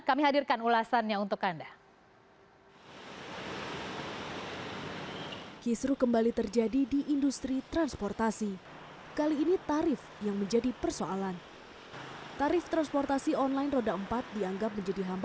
kami hadirkan ulasannya untuk anda